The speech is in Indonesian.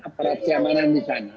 apakah keamanan di sana